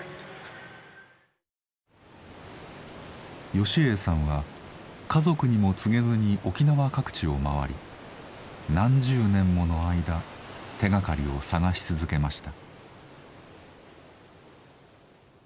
芳英さんは家族にも告げずに沖縄各地を回り何十年もの間手がかりを捜し続けました。